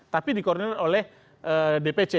tapi dikoordinir oleh dpc